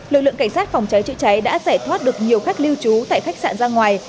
lực lượng cảnh sát phòng cháy chữa cháy đã giải thoát được nhiều khách lưu trú tại khách sạn ra ngoài